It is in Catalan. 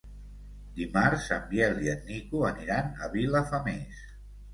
Dimarts en Biel i en Nico aniran a Vilafamés.